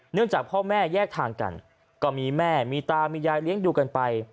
จากพ่อแม่แยกทางกันก็มีแม่มีตามียายเลี้ยงดูกันไป